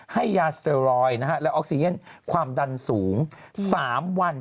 ให้ยาสเตอร์รอยและออกซีเย็นความดันสูง๓วัน